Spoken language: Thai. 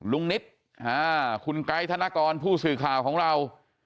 ลุงนิดคุณไกด์ธนกรผู้สื่อข่าวของเรา